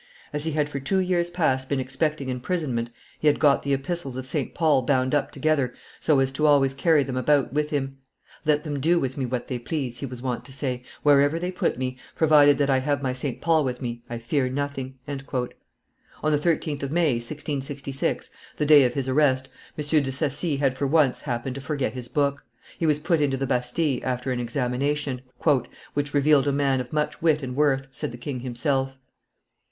"As he had for two years past been expecting imprisonment, he had got the epistles of St. Paul bound up together so as to always carry them about with him. 'Let them do with me what they please,' he was wont to say; 'wherever they put me, provided that I have my St. Paul with me, I fear nothing.'" On the 13th of May, 1666, the day of his arrest, M. de Saci had for once happened to forget his book. He was put into the Bastille, after an examination "which revealed a man of much wit and worth," said the king himself.